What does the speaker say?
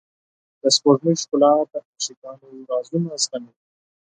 د سپوږمۍ ښکلا د عاشقانو رازونه زغمي.